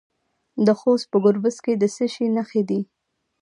د خوست په ګربز کې د څه شي نښې دي؟